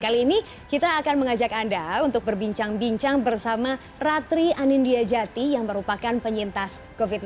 kali ini kita akan mengajak anda untuk berbincang bincang bersama ratri anindya jati yang merupakan penyintas covid sembilan belas